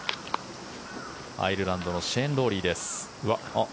アイルランドのシェーン・ロウリーです。